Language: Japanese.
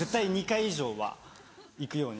２回以上！